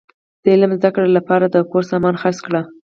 د علم د زده کړي له پاره د کور سامان خرڅ کړئ!